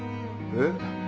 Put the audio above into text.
えっ？